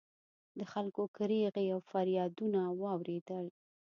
د خلکو کریغې او فریادونه واورېدل